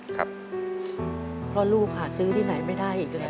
เพราะลูกหาซื้อที่ไหนไม่ได้อีกแล้ว